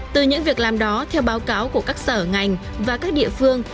từ những việc làm đó theo báo cáo của các sở ngành và các địa phương